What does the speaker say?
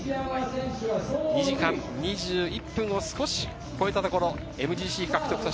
２時間２１分を少し超えたところ、ＭＧＣ獲得。